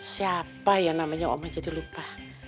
siapa ya namanya om aja dilupa